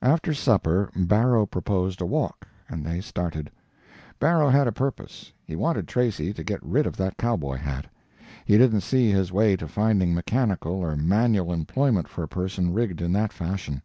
After supper, Barrow proposed a walk, and they started. Barrow had a purpose. He wanted Tracy to get rid of that cowboy hat. He didn't see his way to finding mechanical or manual employment for a person rigged in that fashion.